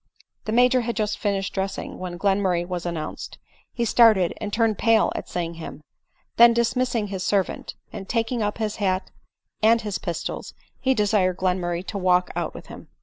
The Major had just finished dressing, when Glen murray was announced. He started and turned pale at seeing him ; then dismissing his servant, and taking up his hat and his pistols, he desired Glenmurray to walk out with him.